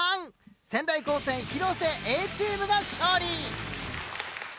仙台高専広瀬Ａチームが勝利！